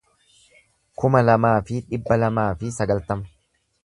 kuma lamaa fi dhibba lamaa fi sagaltama